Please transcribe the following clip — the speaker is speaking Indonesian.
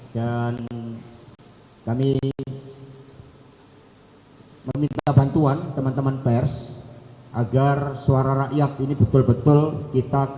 dan kami meminta bantuan teman teman pers agar suara rakyat ini betul betul kita kawal